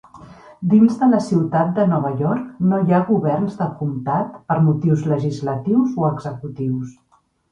Dins de la ciutat de Nova York no hi ha governs de comtat per motius legislatius o executius.